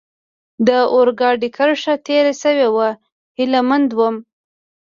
د اورګاډي کرښه تېره شوې وه، هیله مند ووم.